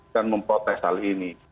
dan memprotes hal ini